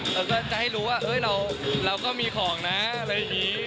เราก็จะให้รู้ว่าเราก็มีของนะอะไรอย่างนี้